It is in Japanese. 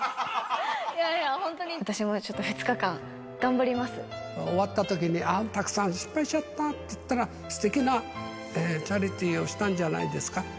私もちょっと２日間、頑張り終わったときに、ああ、たくさん失敗しちゃったっていったら、すてきなチャリティーをしたんじゃないですか。